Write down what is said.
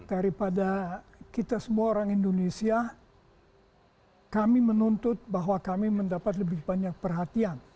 daripada kita semua orang indonesia kami menuntut bahwa kami mendapat lebih banyak perhatian